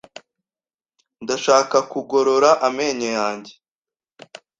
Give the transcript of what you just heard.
Ndashaka kugorora amenyo yanjye.